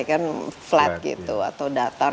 kan flat gitu atau datar